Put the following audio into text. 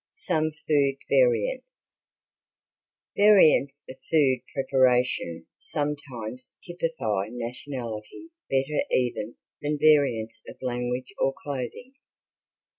Some Food Variants Variants of food preparation sometimes typify nationalities better even than variants of language or clothing.